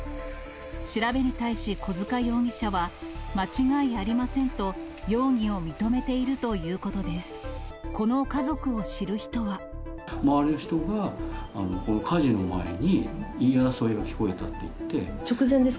調べに対し小塚容疑者は、間違いありませんと、容疑を認めているということです。